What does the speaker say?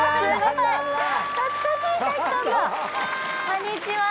こんにちは。